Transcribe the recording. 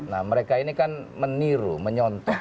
nah mereka ini kan meniru menyontong